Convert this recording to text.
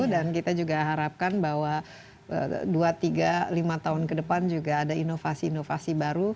dan kita juga harapkan bahwa dua tiga lima tahun ke depan juga ada inovasi inovasi baru